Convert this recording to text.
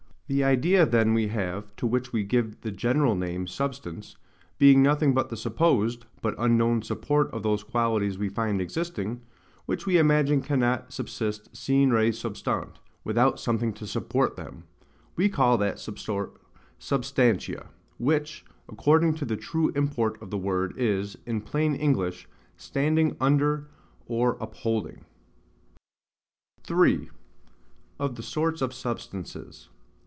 The idea then we have, to which we give the GENERAL name substance, being nothing but the supposed, but unknown, support of those qualities we find existing, which we imagine cannot subsist SINE RE SUBSTANTE, without something to support them, we call that support SUBSTANTIA; which, according to the true import of the word, is, in plain English, standing under or upholding. 3. Of the Sorts of Substances.